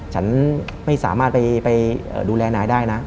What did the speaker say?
ฉันไม่สามารถไปดูแลนายได้นะ